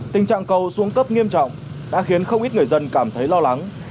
tình trạng cầu xuống cấp nghiêm trọng đã khiến không ít người dân cảm thấy lo lắng